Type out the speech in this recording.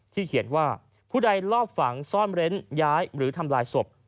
เขียนว่าผู้ใดลอบฝังซ่อนเร้นย้ายหรือทำลายศพ